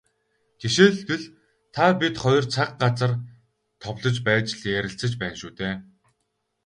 Жишээлбэл, та бид хоёр цаг, газар товлож байж л ярилцаж байна шүү дээ.